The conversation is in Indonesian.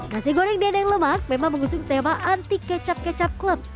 nasi goreng dendeng lemak memang mengusung tema anti kecap kecap klep